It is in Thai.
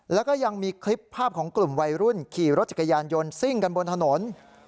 แล้วก็ยังมีคลิปภาพของกลุ่มวัยรุ่นขี่รถจักรยานยนต์ซิ่งกันบนถนน